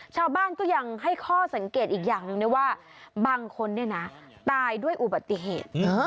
ชาวบ้านก็ยังให้ข้อสังเกตอีกอย่างหนึ่งนะว่าบางคนเนี่ยนะตายด้วยอุบัติเหตุ